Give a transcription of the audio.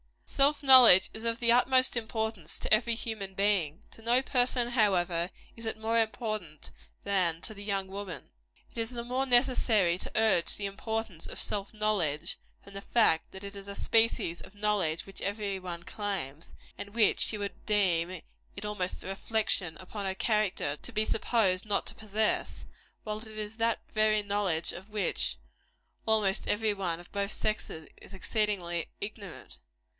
Self knowledge is of the utmost importance to every human being. To no person, however, is it more important than to the young woman. It is the more necessary to urge the importance of self knowledge, from the fact that it is a species of knowledge which every one claims, and which she would deem it almost a reflection upon her character to be supposed not to possess; while it is that very knowledge of which almost every one, of both sexes, is exceedingly ignorant.